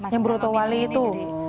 yang beroto wali itu